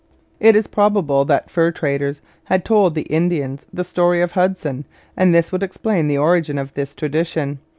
It is probable that fur traders had told the Indians the story of Hudson; and this would explain the origin of this tradition.